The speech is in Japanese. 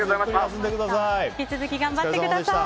引き続き頑張ってください。